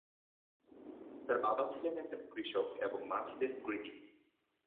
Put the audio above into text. তার বাবা ছিলেন একজন কৃষক এবং মা ছিলেন গৃহিণী।